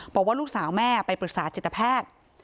บอกว่าลูกสาวแม่ไปปรึกษาจิตแพทย์